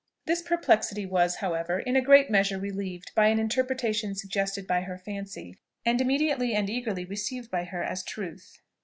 This perplexity was, however, in a great measure relieved by an interpretation suggested by her fancy, and immediately and eagerly received by her as truth.